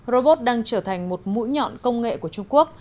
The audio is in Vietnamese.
robot đang trở thành một mũi nhọn công nghệ của trung quốc